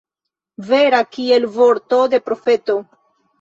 Vera kiel vorto de profeto.